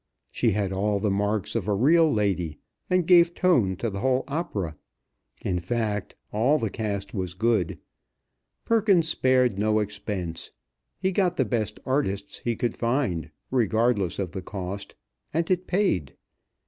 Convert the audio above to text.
She had all the marks of a real lady, and gave tone to the whole opera. In fact, all the cast was good. Perkins spared no expense. He got the best artists he could find, regardless of the cost; and it paid.